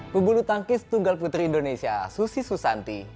pebulu tangkis tunggal putri indonesia susi susanti